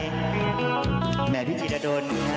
ก่อนที่จะก่อเหตุนี้นะฮะไปดูนะฮะสิ่งที่เขาได้ทิ้งเอาไว้นะครับ